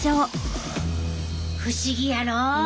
不思議やろ。